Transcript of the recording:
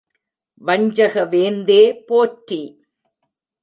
வஞ்சக வேந்தே போற்றி!